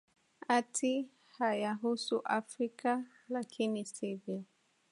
ati hayahusu afrika lakini sivyo